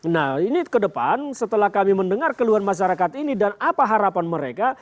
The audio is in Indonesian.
nah ini ke depan setelah kami mendengar keluhan masyarakat ini dan apa harapan mereka